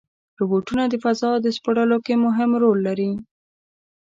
روبوټونه د فضا سپړلو کې مهم رول لري.